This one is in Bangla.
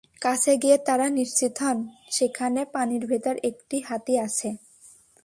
কাছে গিয়ে তাঁরা নিশ্চিত হন, সেখানে পানির ভেতর একটি হাতি আছে।